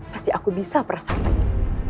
pasti aku bisa perasaan tadi